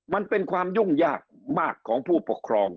มันเป็นความยุ่งยากมากของผู้ปกครอง